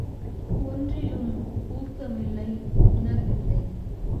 ஒன்றிலும் ஊக்கமில்லை உணர்வில்லை.